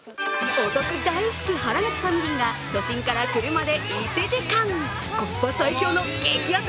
お得大好き、原口ファミリーが都心から車で１時間、コスパ最強の激アツ